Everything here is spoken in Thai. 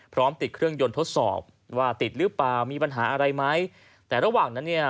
พร้อมติดเครื่องยนต์ทดสอบว่าติดหรือเปล่ามีปัญหาอะไรไหมแต่ระหว่างนั้นเนี่ย